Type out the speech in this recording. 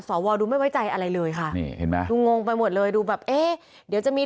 สวดูไม่ไว้ใจอะไรเลยค่ะเห็นมั้ยงงไปหมดเลยดูแบบเดี๋ยวจะมี